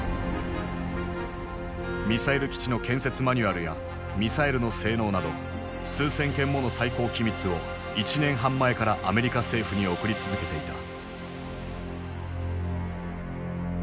ミサイル基地の建設マニュアルやミサイルの性能など数千件もの最高機密を１年半前からアメリカ政府に送り続けていた。